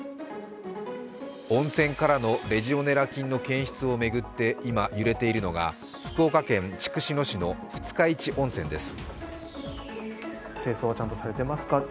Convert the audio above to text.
温泉からのレジオネラ菌の検出を巡って今、揺れているのが福岡県筑紫野市の二日市温泉です。